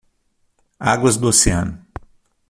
Águas do oceano.